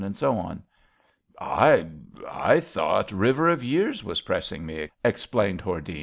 I — I — ^thought River of Years was pressing me,'' explained Hordene.